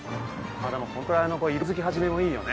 このくらいの色づき始めもいいよね。